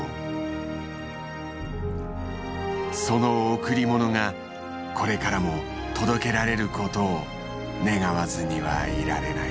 その贈り物がこれからも届けられることを願わずにはいられない。